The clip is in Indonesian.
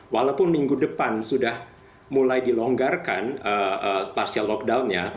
walaupun minggu depan sudah mulai dilonggarkan partial lockdownnya